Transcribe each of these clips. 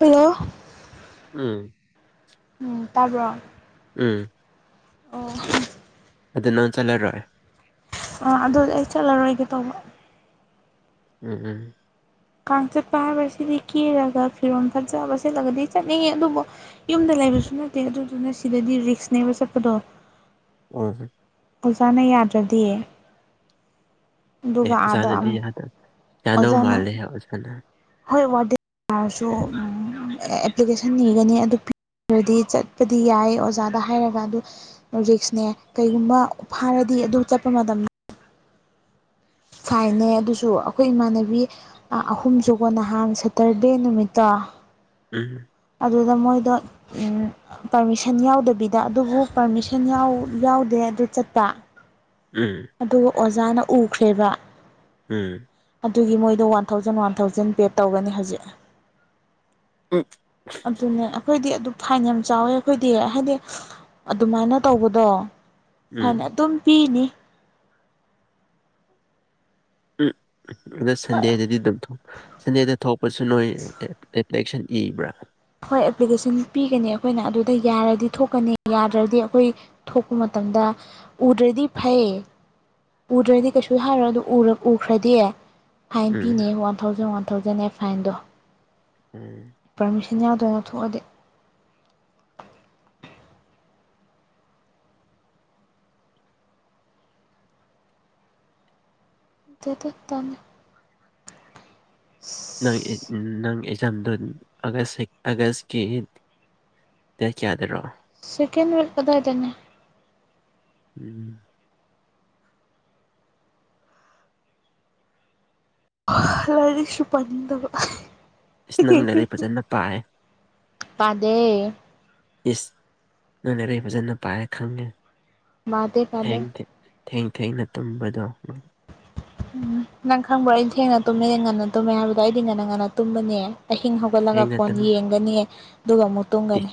hello ꯎꯝ ꯎꯝ ꯇꯥꯕ꯭ꯔꯣ ꯎꯝ ꯑꯣ ꯑꯗꯨ ꯅꯪ ꯆꯠꯂꯔꯣꯏ ꯑꯥ ꯑꯗꯨ ꯑꯩ ꯆꯠꯂꯔꯣꯏꯒꯦ ꯇꯧꯕ ꯎꯝ ꯎꯝ ꯀꯥꯡ ꯆꯠꯄ ꯍꯥꯏꯕꯁꯤꯗꯤ ꯀꯦꯔꯒ ꯐꯤꯔꯣꯜ ꯐꯠꯖꯕ ꯁꯦꯠꯂꯒꯗꯤ ꯆꯠꯅꯤꯡꯉꯦ ꯑꯗꯨꯕꯨ ꯌꯨꯝꯗ ꯂꯩꯕꯁꯨ ꯅꯠꯇꯦ ꯑꯗꯨꯗꯨꯅ ꯁꯤꯗꯗꯤ ꯔꯤꯛꯁꯅꯦꯕ ꯆꯠꯄꯗꯣ ꯍꯣꯏ ꯍꯣꯏ ꯑꯣꯖꯥꯅ ꯌꯥꯗ꯭ꯔꯗꯤ ꯑꯦ ꯑꯗꯨꯒ ꯑꯥꯗ ꯑꯣꯖꯥꯅꯗꯤ ꯑꯃꯨꯛ ꯌꯥꯗꯧ ꯌꯥꯗꯧ ꯑꯣꯖꯥꯅ ꯃꯥꯜꯂꯦꯍꯦ ꯑꯣꯖꯥꯅ ꯍꯣꯏ ꯋꯥꯔꯗꯦꯟ ꯇꯥꯔꯁꯨ ꯑꯦꯄꯂꯤꯀꯦꯁꯟ ꯅꯤꯒꯅꯤ ꯑꯗꯨ ꯄꯤ ꯗ꯭ꯔꯗꯤ ꯆꯠꯄꯗꯤ ꯌꯥꯏ ꯑꯣꯖꯥꯗ ꯍꯥꯏꯔꯒ ꯑꯗꯨ ꯔꯤꯛꯁꯅꯦ ꯀꯩꯒꯨꯝꯕ ꯐꯥꯔꯗꯤ ꯑꯗꯨ ꯆꯠꯄ ꯃꯇꯝ ꯐꯥꯏꯟꯅꯦ ꯑꯗꯨꯁꯨ ꯑꯩꯈꯣꯏ ꯏꯃꯥꯟꯅꯕꯤ ꯑꯍꯨꯝꯁꯨꯀꯣ ꯅꯍꯥꯟ ꯁꯇꯔꯗꯦ ꯅꯨꯃꯤꯠꯇꯣ ꯎꯝ ꯑꯗꯨꯗ ꯃꯣꯏꯗꯣ ꯎꯝ ꯄꯔꯃꯤꯁꯟ ꯌꯥꯎꯗꯕꯤꯗ ꯑꯗꯨꯕꯨ ꯄꯔꯃꯤꯁꯟ ꯌꯥꯎꯗꯦ ꯑꯗꯨ ꯆꯠꯄ ꯎꯝ ꯑꯗꯨ ꯑꯣꯖꯥꯅ ꯎꯈ꯭ꯔꯦꯕ ꯎꯝ ꯑꯗꯨꯒꯤ ꯃꯣꯏꯗꯣ ꯋꯥꯟ ꯊꯥꯎꯖꯟ ꯋꯥꯟ ꯊꯥꯎꯖꯟ ꯄꯦꯗ ꯇꯧꯒꯅꯤ ꯍꯧꯖꯤꯛ ꯎꯝ ꯑꯗꯨꯅꯦ ꯑꯈꯣꯏꯗꯤ ꯑꯗꯨ ꯐꯥꯏꯟ ꯌꯥꯝ ꯆꯥꯎꯋꯦ ꯑꯩꯈꯣꯏꯗꯤ ꯍꯥꯏꯗꯤ ꯑꯗꯨꯃꯥꯏꯅ ꯇꯧꯕꯗꯣ ꯐꯥꯏꯟ ꯎꯝ ꯑꯗꯨꯝ ꯄꯤꯅꯤ ꯎꯝ ꯑꯗ ꯁꯟꯗꯦꯗꯗꯤ ꯑꯗꯨꯝ ꯁꯟꯗꯦꯗ ꯊꯣꯛꯄꯁꯨ ꯅꯣꯏ [unintelligible] ꯏꯂꯦꯛꯁꯟ ꯏꯕ꯭ꯔꯥ ꯍꯣꯏ ꯑꯦꯄ꯭ꯂꯤꯀꯦꯁꯟ ꯄꯤꯒꯅꯤ ꯑꯩꯈꯣꯏꯅ ꯑꯗꯨꯗ ꯌꯥꯔꯗꯤ ꯊꯣꯛꯀꯅꯤ ꯌꯥꯗ꯭ꯔꯗꯤ ꯑꯩꯈꯣꯏ ꯊꯣꯛꯄ ꯃꯇꯝꯗ ꯎꯗ꯭ꯔꯗꯤ ꯐꯩ ꯎꯗ꯭ꯔꯗꯤ ꯀꯩꯁꯨ ꯍꯥꯏꯔꯣꯏ ꯑꯗꯨ ꯎꯈ꯭ꯔꯗꯤ ꯐꯥꯏꯟ ꯎꯝ ꯄꯤꯅꯤ ꯋꯥꯟ ꯊꯥꯎꯖꯟ ꯋꯥꯟ ꯊꯥꯎꯖꯟ ꯅꯦ ꯐꯥꯏꯟꯗꯣ ꯎꯝ ꯄꯥꯔꯃꯤꯁꯟ ꯌꯥꯎꯗꯅ ꯊꯣꯛꯑꯗꯤ [unintelligible] ꯅꯣꯏ ꯏꯠ ꯅꯪ ꯑꯦꯛꯖꯥꯝꯗꯨꯟ ꯑꯥꯒꯁ ꯑꯥꯒꯁꯀꯤ ꯗꯦꯠ ꯀꯌꯥꯗꯔꯣ ꯁꯦꯀꯦꯟ ꯋꯤꯛ ꯑꯗꯥꯏꯗꯅꯦ ꯎꯝ ꯂꯥꯏꯔꯤꯛꯁꯨ ꯄꯥꯅꯤꯡꯗꯕ ꯏꯁ ꯅꯪ ꯂꯥꯢꯔꯤꯛ ꯐꯖꯅ ꯄꯥꯏꯌꯦ ꯄꯗꯦ ꯏꯁ ꯅꯪ ꯂꯥꯢꯔꯤꯛ ꯐꯖꯅ ꯄꯥꯏ ꯈꯪꯉꯦ ꯄꯥꯗꯦ ꯄꯥꯗꯦ ꯊꯦꯡ ꯊꯦꯡ ꯊꯦꯡ ꯊꯦꯡꯅ ꯇꯨꯝꯕꯗꯣ ꯎꯝ ꯅꯪ ꯈꯪꯕ꯭ꯔꯣ ꯑꯩ ꯊꯦꯡꯅ ꯇꯨꯝꯃꯦ ꯉꯟꯅ ꯇꯨꯝꯃꯦ ꯍꯥꯏꯕꯗꯣ ꯑꯩꯗꯤ ꯉꯟꯅ ꯉꯟꯅ ꯇꯨꯝꯕꯅꯦ ꯑꯍꯤꯡ ꯍꯧꯒꯠꯂꯒ ꯊꯦꯡꯅ ꯐꯣꯟ ꯇꯨꯝ ꯌꯦꯡꯒꯅꯤ ꯑꯗꯨꯒ ꯑꯃꯨꯛ ꯇꯨꯝꯒꯅꯤ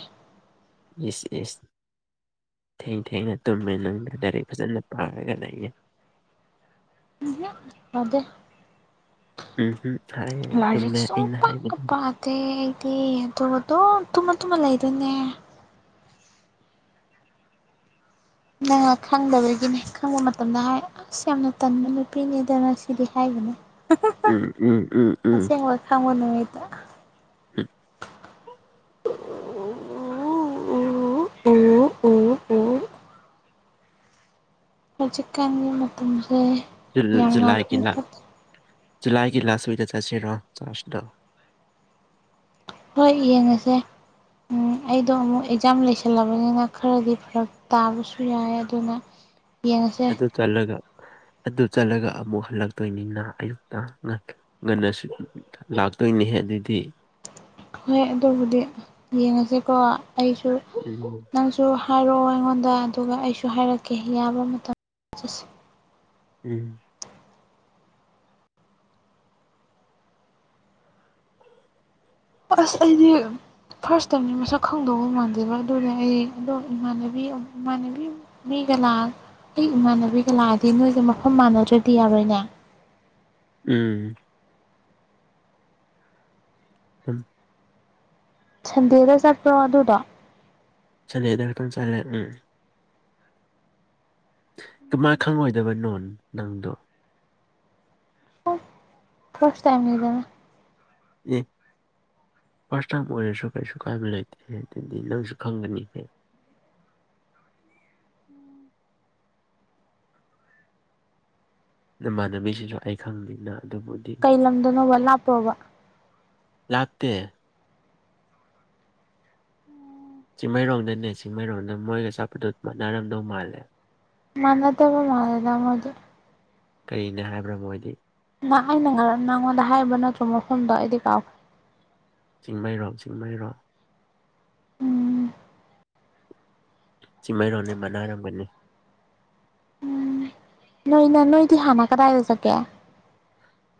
ꯢꯁ ꯢꯁ ꯊꯦꯡ ꯊꯦꯡꯅ ꯇꯨꯝꯃꯦ ꯅꯪꯗꯤ ꯂꯥꯏꯔꯤꯛ ꯐꯖꯅ ꯄꯥꯔꯒ ꯂꯩꯌꯦ [unintelligible] ꯄꯥꯗꯦ ꯎꯝ ꯍꯝ ꯍꯥꯏꯌꯦ ꯂꯥꯏꯔꯤꯛ ꯆꯨꯝꯃꯦ ꯑꯩꯅ ꯁꯨꯡꯄꯥ ꯍꯥꯏꯕꯗꯣ ꯄꯥ ꯗꯦ ꯑꯩꯗꯤ ꯑꯗꯨ ꯑꯗꯨꯝ ꯇꯨꯝꯃ ꯇꯨꯝꯃ ꯂꯩꯗꯣꯏꯅꯦ ꯅꯪꯅ ꯈꯪꯗꯕꯒꯤꯅꯦ ꯈꯪꯕ ꯃꯇꯝꯗ ꯍꯥꯏ ꯑꯁ ꯌꯥꯝꯅ ꯇꯟꯕ ꯅꯨꯄꯤꯅꯦꯗꯅ ꯁꯤꯗꯤ ꯍꯥꯏꯕꯤꯅꯤ ꯎꯝ ꯎꯝ ꯎꯝ ꯎꯝ ꯍꯪꯉꯨ ꯅꯨꯃꯤꯠꯇꯥ [inaudible] ꯎꯎꯎ ꯎ ꯎ ꯎ ꯍꯧꯆꯤꯛꯀꯥꯟꯒꯤ ꯃꯇꯝꯁꯦ ꯖꯨꯜ ꯌꯥꯝꯅ ꯖꯨꯂꯏꯒꯤ [unintelligible] ꯂ ꯐꯠꯇꯦ ꯖꯨꯂꯥꯏꯒꯤ ꯂꯥꯁꯇ꯭ ꯋꯤꯛꯗ ꯆꯠꯁꯤꯔꯥ ꯆꯥꯔꯖꯇꯣ ꯍꯣꯏ ꯌꯦꯡꯉꯁꯦ ꯎꯝ ꯑꯩꯗꯣ ꯑꯃꯨꯛ ꯑꯦꯛꯖꯥꯝ ꯂꯩꯁꯜꯂꯕꯅꯤꯅ ꯈꯔꯗꯤ ꯐꯔꯛ ꯇꯥꯕꯁꯨ ꯌꯥꯏ ꯑꯗꯨꯅ [inaudible] ꯌꯦꯡꯉꯁꯦ ꯆꯜꯂꯒ ꯑꯗꯨ ꯆꯠꯂꯒ ꯑꯃꯨꯛ ꯍꯜꯂꯛꯇꯣꯏꯅꯤꯅ ꯑꯌꯨꯛꯇ [unintelligible] ꯉꯟꯅꯁꯨ ꯂꯥꯛꯇꯣꯏꯅꯤꯍꯦ ꯑꯗꯨꯗꯤ ꯍꯣꯏ ꯑꯗꯨꯕꯨꯗꯤ ꯌꯦꯡꯉꯁꯦꯀꯣ ꯑꯩꯁꯨ ꯎꯝ [unintelligible] ꯅꯪꯁꯨ ꯍꯥꯏꯔꯛꯑꯣ ꯑꯩꯉꯣꯟꯗ ꯑꯗꯨꯒ ꯑꯩꯁꯨ ꯍꯥꯏꯔꯛꯀꯦ ꯌꯥꯕ ꯃꯇꯝꯗ [unintelligible] ꯆꯠꯁꯤ ꯎꯝ ꯑꯁ ꯑꯩꯗꯤ ꯐꯔꯁ ꯇꯥꯏꯝꯅꯤ ꯃꯁꯛ ꯈꯪꯗꯧꯕ ꯃꯟꯗꯦꯕ ꯑꯗꯨꯅ ꯍꯌꯦꯡꯗꯣ ꯏꯃꯥꯟꯅꯕꯤ [unintelligible] ꯏꯃꯥꯟꯅꯕꯤ ꯃꯤꯒ [unintelligible] ꯂꯥꯛ ꯑꯩ ꯏꯃꯥꯟꯅꯕꯤꯒ ꯂꯥꯛꯑꯗꯤ ꯅꯣꯏꯒ ꯃꯐꯝ ꯃꯥꯟꯅꯗ꯭ꯔꯗꯤ ꯌꯥꯔꯣꯏꯅꯦ ꯎꯝ ꯎꯝ [unintelligible] ꯁꯟꯗꯦꯗ ꯆꯠꯄ꯭ꯔꯣ ꯑꯗꯨꯗꯣ ꯁꯟꯗꯦꯗꯅ [unintelligible] ꯆꯠꯂꯦ ꯎꯝ ꯀꯃꯥꯏ ꯈꯪꯉꯣꯏꯗꯕ ꯅꯣꯟ ꯅꯪꯗꯣ ꯐꯔꯁ ꯇꯥꯏꯝꯅꯤꯗꯅ ꯑꯦ ꯐꯥꯔꯁ ꯇꯥꯏꯝ ꯑꯣꯏꯔꯁꯨ ꯀꯩꯁꯨ ꯀꯥꯏꯕ ꯂꯩꯇꯦ ꯑꯗꯨꯗꯤ ꯅꯪꯁꯨ ꯈꯪꯒꯅꯤꯍꯦ ꯅꯃꯥꯟꯅꯕꯤꯁꯤꯁꯨ ꯑꯩ ꯈꯪꯅꯤꯅ ꯑꯗꯨꯕꯨ ꯀꯩ ꯂꯝꯗꯥꯅꯣꯕ ꯂꯥꯞꯄ꯭ꯔꯣꯕ ꯂꯥꯞꯇꯦ ꯆꯤꯡꯃꯩꯔꯣꯡꯗꯅꯦ ꯆꯤꯡꯃꯩꯔꯣꯡꯗ ꯃꯣꯏꯒ ꯆꯠꯄꯗꯨ ꯃꯥꯟꯅꯔꯝꯗꯧ ꯃꯥꯜꯂꯦ ꯃꯥꯟꯅꯗꯕ ꯃꯥꯜꯂꯦꯗ ꯃꯣꯏꯗꯨ ꯀꯩꯅꯦ ꯍꯥꯏꯕ꯭ꯔꯥ ꯃꯣꯏꯗꯤ ꯃꯥ ꯑꯩꯅ ꯉꯔꯥꯡ ꯅꯪꯉꯣꯟꯗ ꯍꯥꯏꯕ ꯅꯠꯇ꯭ꯔꯣ ꯃꯐꯝꯗꯣ ꯑꯩꯗꯤ ꯀꯥꯎ ꯆꯤꯡꯃꯩꯔꯣꯡ ꯆꯤꯡꯃꯩꯔꯣꯡ ꯎꯝ ꯆꯤꯡꯃꯩꯔꯣꯡꯅꯦ ꯃꯟꯅꯔꯝꯒꯅꯤ ꯅꯣꯏꯅ ꯅꯣꯏꯗꯤ ꯍꯥꯟꯅ ꯀꯗꯥꯥꯏꯗ ꯆꯥꯠꯒꯦ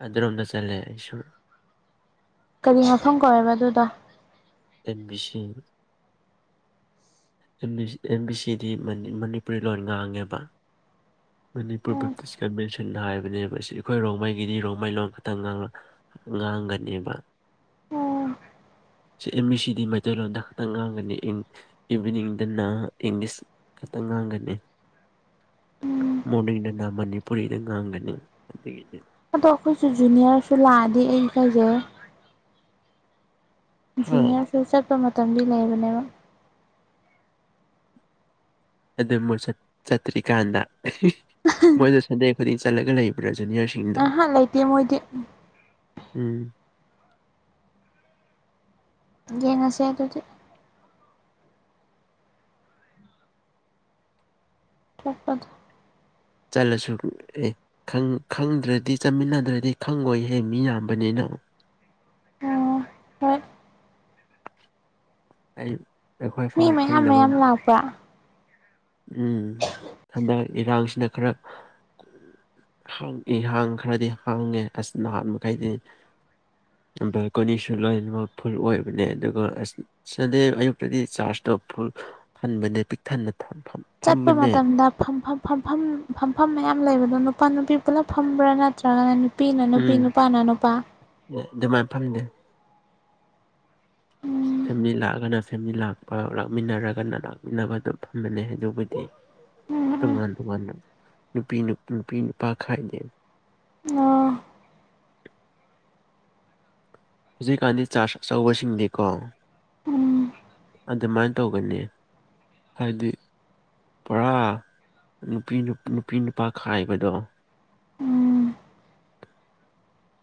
ꯑꯗꯨꯔꯣꯝꯗ ꯆꯠꯂꯦ ꯑꯩꯁꯨ ꯀꯔꯤ ꯃꯐꯝ ꯀꯧꯋꯦꯕ ꯑꯗꯨꯗꯣ N B C M B M B ꯁꯤꯗꯤ ꯃꯅꯤ ꯃꯅꯤꯄꯨꯔꯤ ꯂꯣꯟ ꯉꯥꯡꯉꯦꯕ ꯃꯅꯤꯄꯨꯔ ꯕ꯭ꯞꯇꯤꯁ ꯀꯟꯚꯦꯟꯁꯟ ꯍꯥꯏꯕꯅꯦꯕ ꯑꯁꯤ ꯑꯩꯈꯣꯏ ꯔꯣꯡꯃꯩꯒꯤꯗꯤ ꯔꯣꯡꯃꯩ ꯂꯣꯟ ꯈꯛꯇꯪ ꯉꯥꯡꯂ ꯉꯥꯡꯒꯅꯦꯕ ꯑꯣ ꯁꯤ ꯑꯦꯝ ꯕꯤ ꯁꯤ ꯗꯤ ꯃꯥꯏꯇꯩꯂꯣꯟꯗ ꯈꯛꯇꯪ ꯉꯥꯡꯒꯅꯤ ꯏꯪ ꯏꯚꯤꯅꯤꯡꯗꯅ ꯏꯪꯂꯤꯁ ꯈꯛꯇ ꯉꯥꯡꯒꯅꯤ ꯎꯝ ꯃꯣꯔꯅꯤꯡꯗꯅ ꯃꯅꯤꯄꯨꯔꯤꯗ ꯉꯥꯡꯒꯅꯤ ꯑꯗꯒꯤꯗꯤ ꯑꯗꯣ ꯑꯩꯈꯣꯏꯁꯨ ꯖꯨꯅꯤꯌꯔꯁꯨ ꯂꯥꯛꯑꯗꯤ ꯑꯩ ꯏꯀꯥꯏꯖꯩ ꯍꯥ ꯖꯨꯅꯤꯌꯥꯔꯁꯨ ꯆꯠꯄ ꯃꯇꯝꯗꯤ ꯂꯩꯕꯅꯦꯕ ꯑꯗꯨ ꯃꯣꯏ ꯆꯠ ꯆꯠꯇ꯭ꯔꯤꯀꯥꯟꯗ ꯑꯍꯥ ꯃꯣꯏꯗꯣ ꯁꯟꯗꯦ ꯈꯨꯗꯤꯡ ꯆꯠꯂꯒ ꯂꯩꯕ꯭ꯔꯥ ꯖꯨꯅꯤꯌꯔ ꯑꯍꯥ ꯂꯩꯇꯦ ꯃꯣꯏꯗꯤ ꯎꯨꯝ ꯌꯦꯡꯉꯁꯦ ꯑꯗꯨꯗꯤ ꯇꯣꯛꯄꯗꯨ ꯆꯠꯂꯁꯨ ꯑꯦ ꯈꯪ ꯈꯪꯗ꯭ꯔꯗꯤ ꯆꯠꯃꯤꯟꯅꯗ꯭ꯔꯗꯤ ꯈꯪꯉꯣꯏꯌꯦ ꯃꯤ ꯌꯥꯝꯕꯅꯤꯅ ꯑꯣ ꯍꯣꯏ ꯑꯩ ꯑꯩꯈꯣꯏ ꯃꯤ ꯐꯥꯎ ꯃꯌꯥꯝ ꯈꯪꯗꯕ ꯃꯌꯥꯝ ꯂꯥꯛꯄ꯭ꯔꯥ ꯎꯝ ꯍꯟꯗꯛ ꯏꯔꯥꯡꯁꯤꯅ ꯈꯔ ꯍꯥꯡ ꯏꯍꯥꯡ ꯈꯔꯗꯤ ꯍꯥꯡꯉꯦ ꯑꯁ ꯅꯍꯥꯟ ꯃꯈꯩꯗꯤ ꯕꯦꯜꯀꯣꯅꯤꯁꯨ ꯂꯣꯏꯅꯃꯛ ꯐꯨꯜ ꯑꯣꯏꯕꯅꯦ ꯑꯗꯨꯒ ꯑꯁ ꯁꯟꯗꯦ ꯑꯌꯨꯛꯇꯗꯤ ꯆꯥꯔꯖꯇꯣ ꯐꯨꯜ ꯍꯟꯕꯅꯦ ꯄꯤꯛꯊꯟꯅ ꯊꯝꯐꯝ ꯆꯠꯄ ꯃꯇꯝꯗ ꯐꯝꯐꯝ ꯐꯝꯐꯝ ꯐꯝꯐꯝ ꯃꯌꯥꯝ ꯂꯩꯕꯗꯣ ꯅꯨꯄꯥ ꯅꯨꯄꯤ ꯄꯨꯂꯞ ꯐꯝꯕ꯭ꯔꯥ ꯅꯠꯇ꯭ꯔꯒꯅ ꯅꯨ ꯄꯤꯅ ꯅꯨꯄꯤ ꯅꯨꯄꯥꯅ ꯅꯨꯄꯥ ꯑꯦ ꯑꯗꯨꯃꯥꯏ ꯐꯝꯗꯦ ꯎꯝ ꯐꯦꯝꯂꯤ ꯂꯥꯛꯑꯒꯅ ꯐꯦꯝꯂꯤ ꯂꯥꯛꯄ ꯂꯥꯛꯃꯤꯟꯅꯔꯒꯅ ꯂꯥꯛꯃꯤꯟꯅꯕ ꯗꯨꯝ ꯐꯝꯕꯅꯦ ꯑꯗꯨꯕꯨꯗꯤ ꯎꯝ ꯇꯣꯉꯥꯟ ꯇꯣꯉꯥꯟꯅ ꯅꯨꯄꯤ ꯅꯨ ꯅꯨꯄꯤ ꯅꯨꯄꯥ ꯈꯥꯏꯗꯦ ꯎꯝ ꯑꯣ ꯍꯧꯖꯤꯛꯀꯥꯟꯗꯤ ꯆꯥꯔꯖ ꯑꯆꯧꯕꯁꯤꯡꯗꯤꯀꯣ ꯎꯝ ꯑꯗꯨꯃꯥꯏꯟ ꯇꯧꯒꯅꯤ ꯍꯥꯏꯗꯤ ꯄꯨꯔꯥ ꯅꯨꯄꯤ ꯅꯨ ꯅꯨꯄꯤ ꯅꯨꯄꯥ ꯈꯥꯏꯕꯗꯣ ꯎꯝ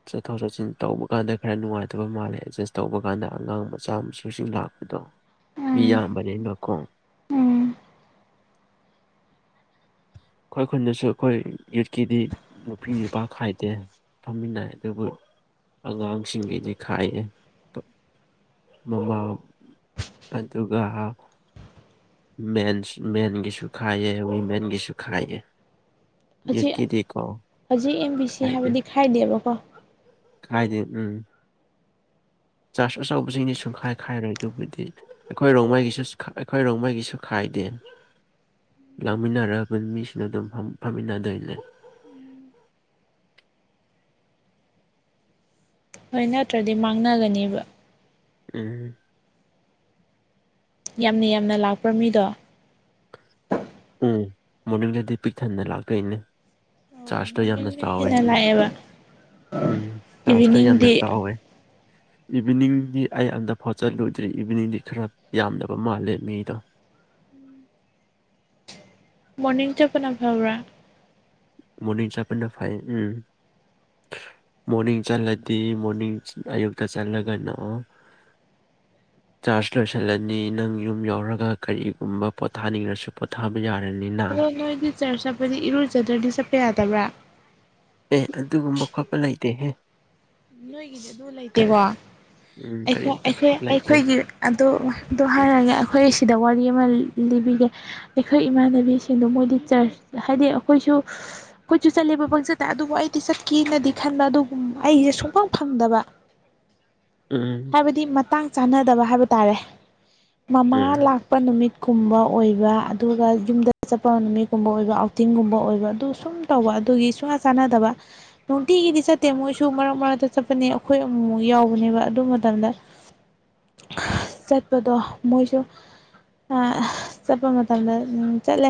ꯆꯠꯊꯣꯛ ꯆꯠꯁꯤꯟ ꯇꯧꯕ ꯀꯥꯟꯗ ꯈꯔ ꯅꯨꯡꯉꯥꯏꯇꯕ ꯃꯥꯜꯂꯦ ꯑꯦꯗꯖꯁ ꯇꯧꯕ ꯀꯥꯟꯗ ꯑꯉꯥꯡ ꯃꯆꯥ ꯃꯁꯨꯁꯤꯡ ꯂꯥꯛꯄꯗꯣ ꯃꯤ ꯎꯝ ꯌꯥꯝꯕꯅꯤꯅ ꯀꯣ ꯎꯝ ꯑꯩꯈꯣꯏ ꯈꯨꯟꯗꯁꯨ ꯑꯩꯈꯣꯏ ꯌꯨꯠꯀꯤꯗꯤ ꯅꯨꯄꯤ ꯅꯨꯄꯥ ꯈꯥꯏꯗꯦ ꯐꯝꯃꯤꯟꯅꯩ ꯑꯗꯨꯕꯨ ꯑꯉꯥꯡꯁꯤꯡꯒꯤꯗꯤ ꯈꯥꯏꯌꯦ ꯕꯥ ꯃꯃꯥ ꯑꯗꯨꯒꯥ ꯃꯦꯟꯁ ꯃꯦꯟꯒꯤꯁꯨ ꯈꯥꯏꯌꯦ ꯋꯤꯃꯦꯟꯒꯤꯁꯨ ꯈꯥꯏꯌꯦ ꯍꯧꯖꯤꯛ ꯌꯨꯠꯀꯤꯗꯤꯀꯣ ꯍꯧꯖꯤꯛ ꯑꯦꯝ ꯕꯤ ꯁꯤ ꯈꯥꯏꯗꯦ ꯍꯥꯏꯕꯗꯤ ꯈꯥꯏꯗꯦꯕꯀꯣ ꯈꯥꯏꯗꯦ ꯎꯝ ꯆꯥꯔꯖ ꯑꯆꯧꯕꯁꯤꯡꯗꯤ ꯁꯨꯡꯈꯥꯏ ꯈꯥꯏꯔꯣꯏ ꯑꯗꯨꯕꯨꯗꯤ ꯑꯩꯈꯣꯏ ꯔꯣꯡꯃꯩꯒꯤꯁꯨ ꯈꯥ ꯑꯩꯈꯣꯏ ꯔꯣꯡꯃꯩꯒꯤꯁꯨ ꯈꯥꯏꯗꯦ ꯂꯥꯡꯃꯤꯟꯅꯔꯕ ꯃꯤꯁꯤꯡ ꯑꯗꯨꯝ ꯐꯝ ꯐꯝꯃꯤꯟꯅꯗꯣꯏꯅꯦ ꯍꯣꯏ ꯅꯠꯇ꯭ꯔꯗꯤ ꯃꯥꯡꯅꯒꯅꯤꯕ ꯎꯨꯝ ꯌꯥꯝꯅ ꯌꯥꯝꯅ ꯂꯥꯛꯄ꯭ꯔ ꯃꯤꯗꯣ ꯎꯝ ꯃꯣꯔꯅꯤꯡꯗꯗꯤ ꯄꯤꯛꯊꯟꯅ ꯂꯥꯛꯇꯣꯏꯅꯦ ꯑꯣ ꯆꯥꯔꯖꯇꯣ ꯌꯥꯝꯅ ꯃꯣꯔꯅꯤꯡꯅ ꯆꯥꯎꯋꯦ ꯍꯦꯟꯅ ꯅꯠꯇꯔꯗꯤ ꯂꯥꯛꯑꯦꯕ ꯎꯝ ꯆꯥꯔꯖꯗꯣ ꯌꯥꯝꯅ ꯏꯚꯤꯅꯤꯡꯗꯤ ꯆꯥꯎꯋꯦ ꯏꯚꯅꯤꯡꯗꯤ ꯑꯩ ꯑꯝꯗ ꯐꯥꯎ ꯆꯠꯂꯨꯗ꯭ꯔꯤ ꯏꯚꯤꯅꯤꯡꯗꯤ ꯈꯔ ꯌꯥꯝꯗꯕ ꯃꯥꯜꯂꯦ ꯃꯤꯗꯣ ꯃꯣꯔꯅꯤꯡ ꯆꯠꯄꯅ ꯐꯕ꯭ꯔꯥ ꯃꯣꯔꯅꯤꯡ ꯆꯠꯄꯅ ꯐꯩ ꯎꯝ ꯃꯣꯔꯅꯤꯡ ꯆꯠꯂꯗꯤ ꯃꯣꯔꯅꯤꯡ ꯑꯌꯨꯛꯇ ꯆꯠꯂꯒꯅ ꯆꯥꯔꯖ ꯂꯣꯏꯁꯤꯜꯂꯅꯤ ꯅꯪ ꯌꯨꯝ ꯌꯩꯔꯒ ꯀꯔꯤꯒꯨꯝꯕ ꯄꯣꯊꯥꯅꯤꯂꯁꯨ ꯄꯣꯊꯥꯕ ꯌꯥꯔꯅꯤ ꯅꯪ ꯑꯗꯣ ꯅꯣꯏ ꯗꯤ ꯆꯔꯆ ꯆꯠꯄꯗꯤ ꯏꯔꯨꯖꯗ꯭ꯔꯗꯤ ꯆꯠꯄ ꯌꯥꯗꯕ꯭ꯔꯥ ꯑꯦ ꯑꯗꯨꯒꯨꯝꯕ ꯈꯣꯠꯄ ꯂꯩꯇꯦꯍꯦ ꯅꯣꯏꯒꯤꯗꯤ ꯑꯗꯨ ꯀꯔꯤ ꯂꯩꯇꯦꯀꯣ ꯎꯝ ꯀꯔꯤꯝꯇ ꯑꯩꯈꯣꯏ ꯈꯣꯠ ꯂꯩꯇꯦ ꯑꯩꯈꯣꯏꯒꯤ ꯑꯗꯣ ꯑꯗꯣ ꯍꯥꯏꯔꯒ ꯑꯩꯈꯣꯏ ꯁꯤꯗ ꯋꯥꯔꯤ ꯑꯃ ꯂꯤꯕꯤꯒꯦ ꯑꯩꯈꯣꯏ ꯏꯃꯥꯟꯅꯕꯤꯁꯤꯡꯗꯣ ꯃꯣꯏꯗꯤ ꯆꯔꯆ ꯍꯥꯏꯗꯤ ꯑꯩꯈꯣꯏꯁꯨ ꯀꯣꯏꯁꯨ ꯆꯠꯂꯦꯕ ꯄꯪꯆꯠꯇ ꯑꯗꯨꯕꯨ ꯑꯩꯗꯤ ꯆꯠꯀꯦꯅꯗꯤ ꯈꯟꯕ ꯑꯗꯨꯒꯨꯝ ꯑꯩꯁꯦ ꯁꯨꯝ ꯐꯪ ꯐꯪꯗꯕ ꯎꯝ ꯍꯥꯏꯕꯗꯤ ꯃꯇꯥꯡ ꯆꯥꯟꯅꯗꯕ ꯍꯥꯏꯕ ꯇꯥꯔꯦ ꯃꯃꯥ ꯎꯝ ꯂꯥꯛ ꯆꯠꯄ ꯅꯨꯃꯤꯠꯀꯨꯝꯕ ꯑꯣꯏꯕ ꯑꯗꯨꯒ ꯌꯨꯝꯗ ꯆꯠꯄ ꯅꯨꯃꯤꯠꯀꯨꯝꯕ ꯑꯣꯏꯕ ꯑꯥꯎꯇꯤꯡꯒꯨꯝꯕ ꯑꯣꯏꯕ ꯑꯗꯨ ꯁꯨꯝ ꯇꯧꯕ ꯑꯗꯨꯒꯤ ꯁꯨꯡꯆꯥ ꯆꯥꯟꯅꯗꯕ ꯅꯨꯡꯇꯤꯒꯤꯗꯤ ꯆꯠꯇꯦ ꯃꯣꯏꯁꯨ ꯃꯔꯛ ꯃꯔꯛ ꯇ ꯆꯠꯄꯅꯦ ꯑꯩꯈꯣꯏ ꯑꯃꯨꯛꯃꯨꯛ ꯌꯥꯎꯕꯅꯦꯕ ꯑꯗꯨ ꯃꯇꯝꯗ ꯆꯠꯄꯗꯣ ꯃꯣꯏꯁꯨ ꯆꯠꯄ ꯃꯇꯝꯗ ꯆꯠꯂꯦ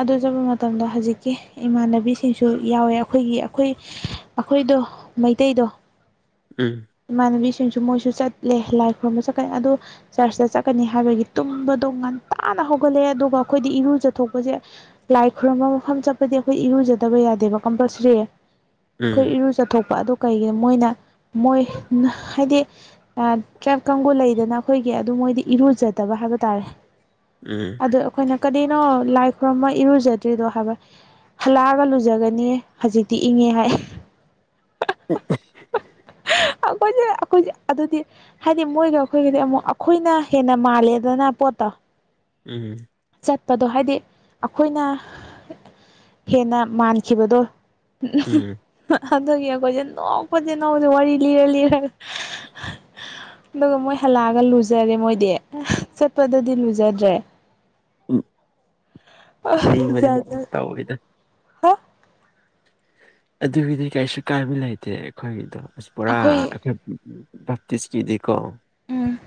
ꯑꯗꯨ ꯆꯠꯄ ꯃꯇꯝꯗ ꯍꯧꯖꯤꯛꯀꯤ ꯏꯃꯥꯟꯅꯕꯤꯁꯤꯡꯁꯨ ꯌꯥꯎꯋꯦ ꯑꯈꯣꯏꯒꯤ ꯑꯩꯈꯣꯏ ꯑꯈꯣꯏꯗꯣ ꯃꯩꯇꯩꯗꯣ ꯎꯝ ꯏꯃꯥꯟꯅꯕꯤꯁꯤꯡꯁꯨ ꯃꯣꯏꯁꯨ ꯆꯠꯂꯦ ꯂꯥꯏ ꯈꯨꯔꯨꯝꯕ ꯆꯠꯀ ꯑꯗꯣ ꯆꯔꯆꯇ ꯆꯠꯀꯅꯤ ꯍꯥꯏꯕꯒꯤ ꯇꯨꯝꯕꯗꯣ ꯉꯟꯇꯥꯅ ꯍꯧꯒꯠꯂꯛꯑꯦ ꯑꯗꯨꯒ ꯑꯩꯈꯣꯏꯗꯤ ꯏꯔꯨꯖꯊꯣꯛꯄꯁꯦ ꯂꯥꯏ ꯈꯨꯔꯨꯝꯕ ꯃꯐꯝ ꯆꯠꯄꯗꯤ ꯑꯩꯈꯣꯏ ꯏꯔꯨꯖꯗꯕ ꯌꯥꯗꯦꯕ ꯀꯝꯄꯜꯁꯔꯤ ꯈꯣꯏ ꯎꯝ ꯏꯔꯨ ꯆꯠꯊꯣꯛꯄ ꯑꯗꯨ ꯀꯩꯒꯤꯅꯣ ꯃꯣꯏꯅ ꯃꯣꯏ ꯍꯥꯏꯗꯤ ꯇ꯭ꯔꯥꯏꯞ ꯀꯥꯡꯕꯨ ꯂꯩꯗꯅ ꯑꯈꯣꯏꯒꯤ ꯑꯗꯨ ꯃꯣꯏꯗꯤ ꯏꯔꯨꯖꯗꯕ ꯍꯥꯏꯕ ꯇꯥꯔꯦ ꯎꯝ ꯑꯗꯨ ꯑꯈꯣꯏꯅ ꯀꯔꯤꯅꯣ ꯂꯥꯏ ꯈꯨꯔꯨꯝꯃ ꯏꯔꯨꯖꯗ꯭ꯔꯤꯗꯣ ꯍꯥꯏꯕ ꯍꯜꯂꯛꯑꯒ ꯂꯨꯖꯒꯅꯤ ꯍꯧꯖꯤꯛꯇꯤ ꯏꯪꯉꯦ ꯍꯥꯏ ꯑ [inaudible] ꯑꯈꯣꯏꯁꯦ ꯑꯈꯣꯏꯁꯦ ꯑꯗꯨꯗꯤ ꯍꯥꯏꯗꯤ ꯃꯣꯏꯒ ꯑꯈꯣꯏꯒꯤꯗꯤ ꯑꯃꯨꯛ ꯑꯈꯣꯏꯅ ꯍꯦꯟꯅ ꯃꯥꯜꯂꯦꯗꯅ ꯄꯣꯠꯇꯣ ꯎꯝ ꯆꯠꯄꯗꯣ ꯍꯥꯏꯗꯤ ꯑꯈꯣꯏꯅ ꯍꯦꯟꯅ ꯃꯥꯟꯈꯤꯕꯗꯣ ꯎꯝ ꯎꯝ ꯑꯗꯨꯒꯤ ꯑꯈꯣꯏꯁꯦ ꯅꯣꯛꯄꯁꯤ ꯅꯣꯛꯄꯁꯤ ꯋꯥꯔꯤ ꯂꯤꯔ ꯂꯤꯔꯒ [inaudible] ꯑꯗꯨꯒ ꯃꯣꯏ ꯍꯜꯂꯛꯑꯒ ꯂꯨꯖꯔꯦ ꯃꯣꯏꯗꯤ ꯆꯠꯄꯗꯗꯤ ꯂꯨꯖꯗ꯭ꯔꯦ ꯎꯝ ꯏꯪꯕꯅꯤꯅ ꯖꯥꯠ ꯖꯥꯠ ꯇꯥꯎꯑꯔꯤꯗ ꯑꯩꯈꯣꯏ ꯑꯗꯨꯒꯤꯗꯤ ꯀꯩꯁꯨ ꯀꯥꯏꯕ ꯂꯩꯇꯦ ꯑꯩꯈꯣꯏꯒꯤꯗꯣ ꯑꯁ ꯄꯨꯔꯥ ꯑꯩꯈꯣꯏ ꯕꯞꯇꯤꯁꯀꯤꯗꯤꯀꯣ ꯎꯝ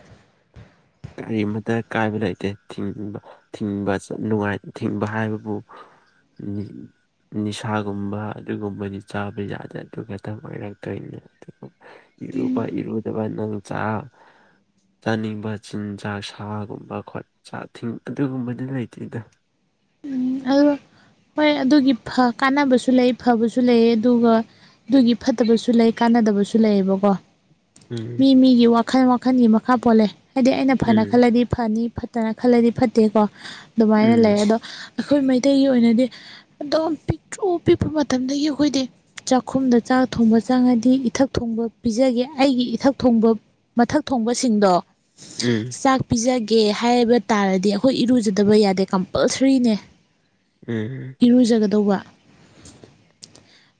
ꯀꯔꯤ ꯑꯃꯇ ꯀꯥꯏꯕ ꯂꯩꯇꯦ ꯊꯤꯡꯕ ꯊꯤꯡꯕ ꯆꯠ ꯅꯨꯡꯉꯥꯏ ꯊꯤꯡꯕ ꯍꯥꯏꯕꯕꯨ ꯎꯝ ꯅꯤꯁꯥꯒꯨꯝꯕ ꯑꯗꯨꯒꯨꯝꯕꯗꯤ ꯆꯥꯕ ꯌꯥꯗꯦ ꯑꯗꯨꯒ ꯈꯇꯪ ꯑꯣꯏꯔꯛꯇꯨꯏꯅꯦ ꯑꯗꯨꯕꯨ ꯏꯔꯨꯕ ꯏꯔꯨꯗꯕ ꯅꯪ ꯆꯥ ꯆꯥꯅꯤꯡꯕ ꯆꯤꯟꯖꯥꯛ ꯁꯥꯒꯨꯝꯕ ꯈꯣꯠ ꯆꯥ ꯊꯤꯡ ꯑꯗꯨꯒꯨꯝꯕꯗꯤ ꯂꯩꯇꯦꯗ ꯎꯝ ꯑꯗꯨꯒ ꯍꯣꯏ ꯑꯗꯨꯒꯤ ꯐ ꯀꯥꯟꯅꯕꯁꯨ ꯂꯩ ꯐꯕꯁꯨ ꯂꯩꯌꯦ ꯑꯗꯨꯒ ꯑꯗꯨꯒꯤ ꯐꯠꯇꯕꯁꯨ ꯂꯩ ꯀꯥꯟꯅꯗꯕꯁꯨ ꯂꯩꯌꯦꯕꯀꯣ ꯎꯝ ꯃꯤ ꯃꯤꯒꯤ ꯋꯥꯈꯜ ꯋꯥꯈꯟꯒꯤ ꯃꯈꯥ ꯄꯣꯜꯂꯦ ꯍꯥꯏꯗꯤ ꯑꯩꯅ ꯐꯅ ꯎꯝ ꯈꯜꯂꯗꯤ ꯐꯅꯤ ꯐꯠ ꯇꯅ ꯈꯜꯂꯗꯤ ꯐꯠꯇꯦꯀꯣ ꯑꯗꯨꯃꯥꯏꯅ ꯂꯩꯌꯦ ꯎꯝ ꯑꯗꯣ ꯑꯩꯈꯣꯏ ꯃꯩꯇꯩꯒꯤ ꯑꯣꯏꯅꯗꯤ ꯑꯗꯣ ꯄꯤꯛꯇ꯭ꯔꯨ ꯄꯤꯛꯄ ꯃꯇꯝꯗꯒꯤ ꯑꯈꯣꯏꯗꯤ ꯆꯥꯛꯈꯨꯝꯗ ꯆꯥꯛ ꯊꯣꯡꯕ ꯆꯪꯉꯗꯤ ꯏꯊꯛ ꯊꯣꯡꯕ ꯄꯤꯖꯒꯦ ꯑꯩꯒꯤ ꯏꯊꯛ ꯊꯣꯡꯕ ꯃꯊꯛ ꯊꯣꯡꯕꯁꯤꯡꯗꯣ ꯎꯝ ꯆꯥꯛ ꯄꯤꯖꯒꯦ ꯍꯥꯏꯕ ꯇꯥꯔꯗꯤ ꯑꯈꯣꯏ ꯏꯔꯨꯖꯗꯕ ꯌꯥꯗꯦ ꯀꯝꯄꯜꯁꯔꯤꯅꯦ ꯎꯝ ꯎꯝ ꯏꯔꯨꯖꯒꯗꯧꯕ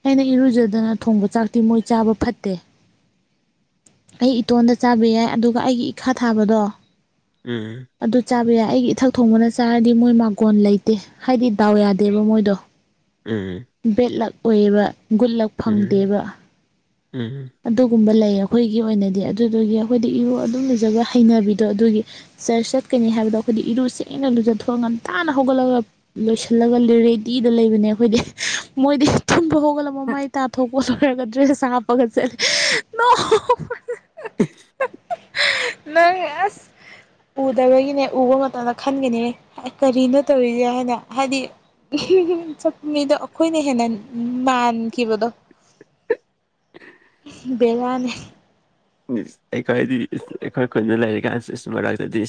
ꯑꯩꯅ ꯏꯔꯨꯖꯗꯅ ꯊꯣꯡꯕ ꯆꯥꯛꯇꯤ ꯃꯣꯏ ꯆꯥꯕ ꯐꯠꯇꯦ ꯑꯩ ꯏꯇꯣꯟꯗ ꯆꯥꯕ ꯌꯥꯏ ꯑꯗꯨꯒ ꯑꯩꯒꯤ ꯏꯈꯥ ꯊꯥꯕꯗꯣ ꯎꯝ ꯑꯗꯨ ꯆꯥꯕ ꯌꯥꯏ ꯑꯩꯒꯤ ꯏꯊꯛ ꯊꯣꯡꯕꯅ ꯆꯥꯔꯗꯤ ꯃꯣꯏ ꯃꯥꯡꯒꯣꯟ ꯂꯩꯇꯦ ꯍꯥꯏꯗꯤ ꯗꯥꯎ ꯌꯥꯗꯦꯕ ꯃꯣꯏꯗꯣ ꯎꯝ ꯕꯦꯠꯂꯛ ꯑꯣꯏꯌꯦꯕ ꯒꯨꯠꯂꯛ ꯎꯝ ꯎꯝ ꯎꯝ ꯑꯗꯨꯒꯨꯝꯕ ꯂꯩ ꯑꯈꯣꯏꯒꯤ ꯑꯣꯏꯅꯗꯤ ꯑꯗꯨꯗꯨꯒꯤ ꯑꯈꯣꯏꯗꯤ ꯏꯔꯨ ꯑꯗꯨꯝ ꯂꯨꯖꯕ ꯍꯩꯅꯕꯤꯗꯣ ꯑꯗꯨꯒꯤ ꯆ꯭ꯔꯁ ꯆꯠꯀꯅꯤ ꯍꯥꯏꯕꯗꯣ ꯑꯈꯣꯏꯗꯤ ꯏꯔꯨ ꯁꯦꯡꯅ ꯂꯨꯖꯊꯣꯑ ꯉꯟꯇꯥꯅ ꯍꯧꯒꯠꯂꯒ ꯅꯣꯏꯁꯜꯂꯒ ꯂꯔꯦꯗꯤꯗ ꯂꯩꯕꯅꯦ ꯑꯈꯣꯏꯗꯤ ꯃꯣꯏꯗꯤ ꯊꯨꯝꯕ ꯍꯧ ꯍꯧꯒꯠꯂ ꯃꯃꯥꯏ ꯇꯥꯊꯣꯛꯄ ꯂꯣꯏꯔꯒ ꯗ꯭ꯔꯦꯁ ꯍꯥꯞꯄꯒ ꯆꯠꯂꯤ [unintelligible] ꯅꯪ ꯑꯁ ꯎꯗꯕꯒꯤꯅꯦ ꯎꯕ ꯃꯇꯝꯗ ꯈꯟꯒꯅꯤ ꯀꯔꯤꯅꯣ ꯇꯧꯔꯤꯖꯦ ꯍꯥꯏꯅ ꯍꯥꯏꯗꯤ [unintelligible] ꯆꯠꯄ ꯃꯤꯗꯣ ꯑꯈꯣꯏꯅ ꯍꯦꯟꯅ ꯃꯥꯟꯈꯤꯕꯗꯣ ꯕꯦꯔꯥꯅꯦ [unintelligible] ꯑꯩꯈꯣꯏꯗꯤ ꯑꯩꯈꯣꯏ ꯈꯨꯟꯗ ꯂꯩꯔꯤꯀꯥꯟꯁꯤꯁꯨ ꯃꯔꯛꯇꯗꯤ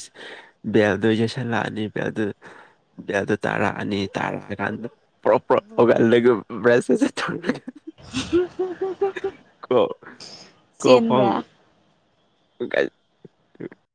ꯕꯦꯜꯗꯣ ꯌꯩꯁꯜꯂꯛꯑꯅꯤ ꯕꯦꯜꯗꯨ ꯕꯦꯜꯗꯨ ꯇꯥꯔꯛꯑꯅꯤ ꯇꯥꯔꯛꯑꯀꯥꯟꯗ ꯄ꯭ꯔꯣꯞ ꯄ꯭ꯔꯣꯞ ꯍꯧꯒꯠꯂꯒ ꯕ꯭ꯔꯁ ꯁꯠ ꯁꯠ ꯇꯧꯔꯒ [unintelligible] ꯀꯣ ꯆꯦꯟꯕ꯭ꯔꯥ [unintelligible]